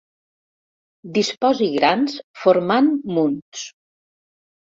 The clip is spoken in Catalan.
Disposi grans formant munts.